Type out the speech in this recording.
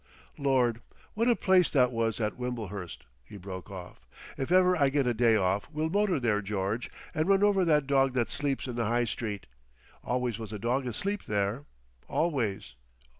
"Lord, what a place that was at Wimblehurst!" he broke out. "If ever I get a day off we'll motor there, George, and run over that dog that sleeps in the High Street. Always was a dog asleep there—always.